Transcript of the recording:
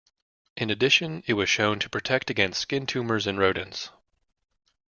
In addition, it was shown to protect against skin tumors in rodents.